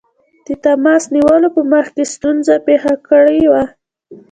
د تماس نیولو په مخ کې ستونزه پېښه کړې وه.